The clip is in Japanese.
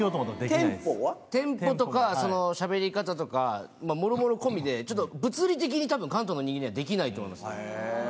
テンポとか、しゃべり方とか、もろもろ込みで、ちょっと物理的にたぶん関東の人間にはできないと思います。